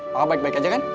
papa baik baik aja kan